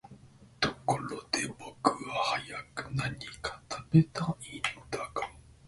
ところで僕は早く何か喰べたいんだが、